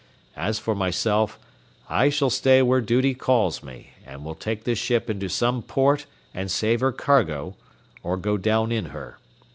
As for myself, I shall stay where duty calls me, and will take this ship into some port and save her cargo, or go down in her.